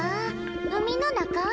海の中？